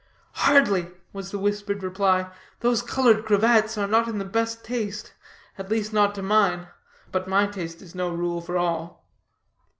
"Hardly," was the whispered reply; "those colored cravats are not in the best taste, at least not to mine; but my taste is no rule for all."